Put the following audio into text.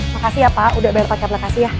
makasih ya pak udah bayar pakai aplikasi ya